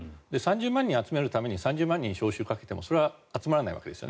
３０万人集めるために３０万人を招集かけてもそれは集まらないわけです。